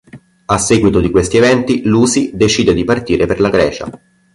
A seguito di questi eventi, Lucy decide di partire per la Grecia.